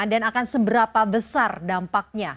dan akan seberapa besar dampaknya